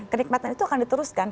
kenikmatan itu akan diteruskan